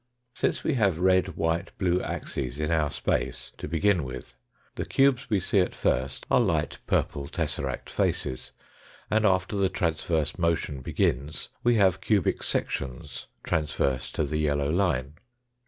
Since we have red, white, blue axes in our space to begin with, the cubes we see at first are light purple tesseract faces, and after the transverse motion begins we have cubic sections transverse to the yellow line.